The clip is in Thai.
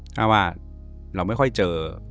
ถ้าว่าเราไม่ค่อยเจอ